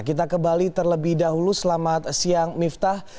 kita ke bali terlebih dahulu selamat siang miftah